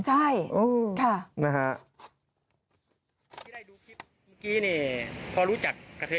ใช่ค่ะ